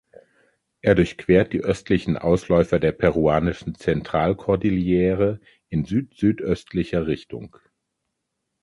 Er durchquert die östlichen Ausläufer der peruanischen Zentralkordillere in südsüdöstlicher Richtung.